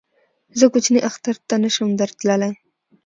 زه کوچني اختر ته نه شم در تللی